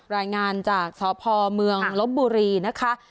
รายงานจากสพเมืองลบบุรีนะคะ